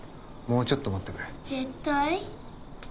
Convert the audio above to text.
もうちょっと待ってくれ絶対？